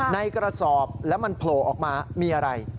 ในกระสอบแล้วมันโผล่ออกมามีอะไร